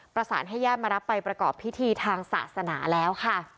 ประสานให้ญาติมารับไปประกอบพิธีทางศาสนาแล้วค่ะ